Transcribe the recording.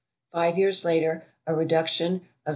Five years later a reduction of 6d.